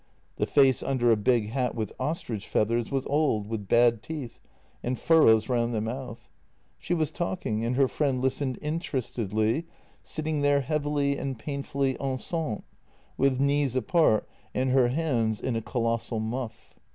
The face under a big hat with ostrich feathers was old, with bad teeth, and fur rows round the mouth. She was talking, and her friend listened interestedly, sitting there heavily and painfully enceinte, with knees apart and her hands in a colossal muff.